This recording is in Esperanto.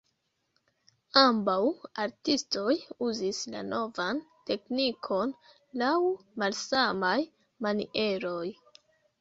Ambaŭ artistoj uzis la novan teknikon laŭ malsamaj manieroj.